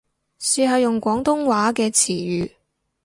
試下用廣東話嘅詞語